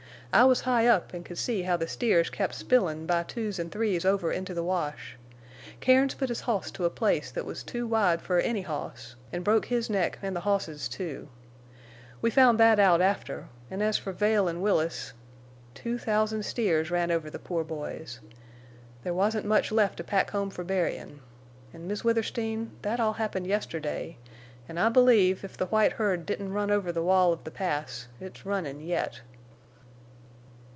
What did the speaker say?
I was high up an' could see how the steers kept spillin' by twos an' threes over into the wash. Cairns put his hoss to a place thet was too wide fer any hoss, an' broke his neck an' the hoss's too. We found that out after, an' as fer Vail an' Willis—two thousand steers ran over the poor boys. There wasn't much left to pack home fer burying!... An', Miss Withersteen, thet all happened yesterday, en' I believe, if the white herd didn't run over the wall of the Pass, it's runnin' yet."